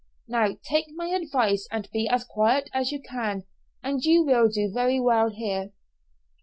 "Now, take my advice and be as quiet as you can, and you will do very well here."